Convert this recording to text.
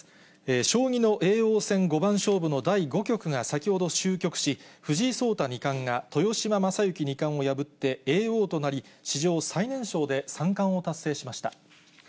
将棋の叡王戦五番勝負の第５局が先ほど終局し、藤井聡太二冠が豊島将之二冠を破って、叡王となり、史上最年少で、三冠を達成しました。